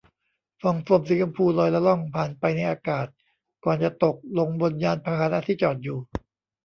ฟองโฟมสีชมพูล่อยละล่องผ่านไปในอากาศ ก่อนจะตกลงบนยานพาหนะที่จอดอยู่